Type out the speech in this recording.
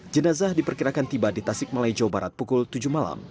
jenazah diperkirakan tiba di tasik malaya jawa barat pukul tujuh malam